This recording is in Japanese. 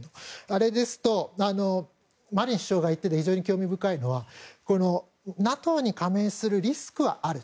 それですとマリン首相が言っていて非常に興味深いのはＮＡＴＯに加盟するリスクはある。